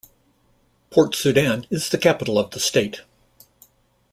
Port Sudan is the capital of the state.